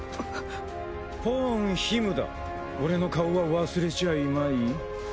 ポーン・ヒムだ俺の顔は忘れちゃいまい？